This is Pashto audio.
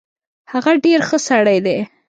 هغه ډیر خه سړی دی